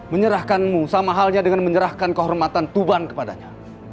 menyerahkanmu sama halnya dengan menyerahkan kehormatan tuban kepadanya